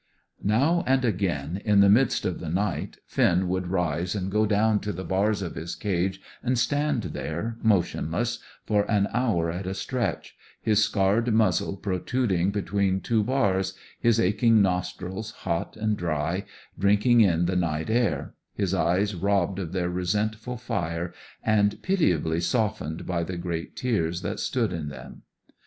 Now and again, in the midst of the night, Finn would rise and go down to the bars of his cage and stand there, motionless, for an hour at a stretch, his scarred muzzle protruding between two bars, his aching nostrils, hot and dry, drinking in the night air, his eyes robbed of their resentful fire, and pitiably softened by the great tears that stood in them.